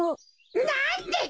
なんでだ？